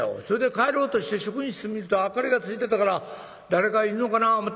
「それで帰ろうとして職員室見ると明かりがついてたから誰かいるのかなあ